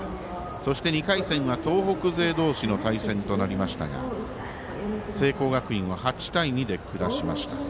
そして、２回戦は東北勢同士の対戦となりましたが聖光学院を８対２で下しました。